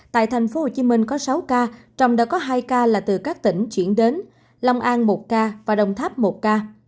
tại tp hcm có sáu ca trong đó có hai ca là từ các tỉnh chuyển đến long an một ca và đồng tháp một ca